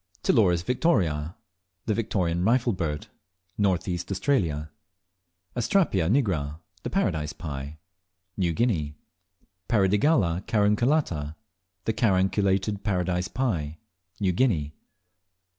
15. Ptiloris victoriae (The Victorian Rifle Bird). North East Australia. 16. Astrapia nigra (The Paradise Pie). New Guinea. 17. Paradigalla carunculata (The Carunculated Paradise Pie). New Guinea.